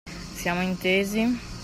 Siamo intesi?